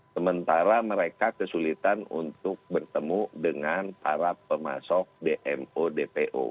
sementara mereka kesulitan untuk bertemu dengan para pemasok dmo dpo